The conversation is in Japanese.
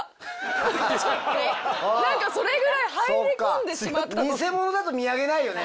それぐらい入り込んでしまった。